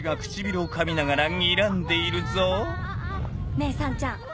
ねぇさんちゃん